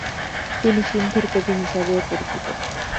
তিনি সিন্ধের কবি হিসাবেও পরিচিত।